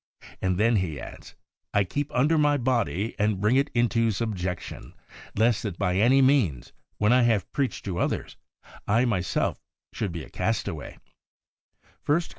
And then he adds, ' I keep under my body, and bring it into subjection ; lest that by any means, when I have preached to others, I myself should be a castaway' (i Cor.